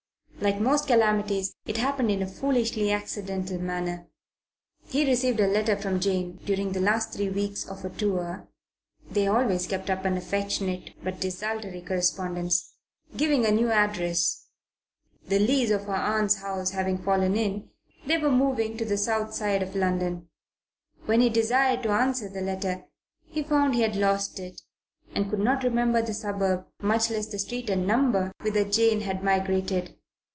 Like most calamities it happened in a foolishly accidental manner. He received a letter from Jane during the last three weeks of a tour they always kept up an affectionate but desultory correspondence giving a new address. The lease of her aunt's house having fallen in, they were moving to the south side of London. When he desired to answer the letter, he found he had lost it and could not remember the suburb, much less the street and number, whither Jane had migrated.